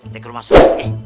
kita ke rumah sulam nih